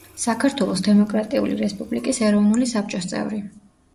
საქართველოს დემოკრატიული რესპუბლიკის ეროვნული საბჭოს წევრი.